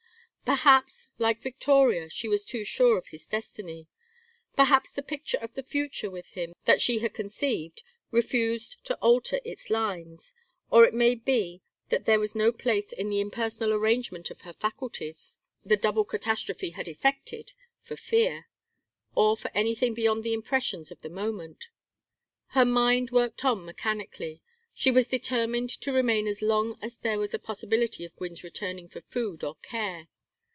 Perhaps, like Victoria, she was too sure of his destiny; perhaps the picture of the future with him that she had conceived refused to alter its lines; or it may be that there was no place in the impersonal arrangement of her faculties the double catastrophe had effected, for fear; or for anything beyond the impressions of the moment. Her mind worked on mechanically. She was determined to remain as long as there was a possibility of Gwynne's returning for food or care.